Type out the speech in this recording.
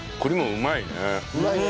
うまいね！